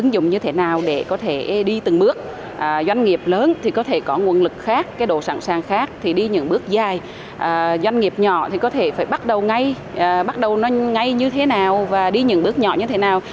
doanh nghiệp nhỏ thì có thể phải bắt đầu ngay bắt đầu nó ngay như thế nào và đi những bước nhỏ như thế nào